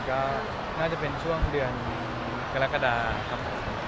ก็น่าจะเป็นช่วงเดือนกรกฎาครับผม